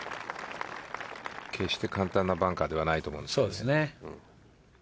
決して簡単なバンカーではないと思います。